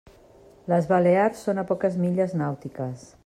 Les Balears són a poques milles nàutiques.